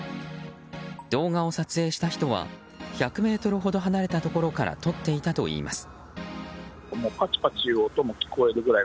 動画を撮影した人は１００ｍほど離れたところから撮っていたといいます。